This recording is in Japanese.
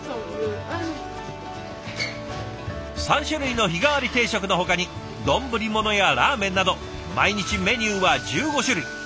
３種類の日替わり定食のほかに丼物やラーメンなど毎日メニューは１５種類。